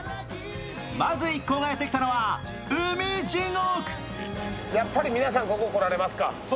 まず一行がやって来たのは海地獄。